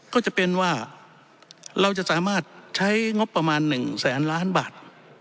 ก็จะเป็นว่าเราจะสามารถใช้งบประมาณ๑แสนล้านบาท